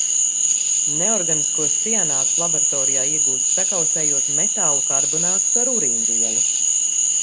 Neorganiskos cianātus laboratorijā iegūst, sakausējot metālu karbonātus ar urīnvielu.